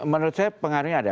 menurut saya pengaruhnya ada